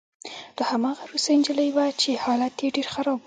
دا هماغه روسۍ نجلۍ وه چې حالت یې ډېر خراب و